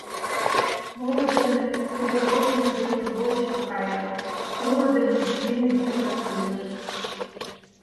Муро дене тудо Родина верч бойышко кая, муро дене мӧҥгыжӧ пӧртылеш.